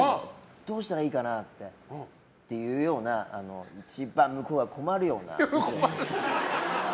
どうしたらいいかな？っていうような一番向こうが困るような。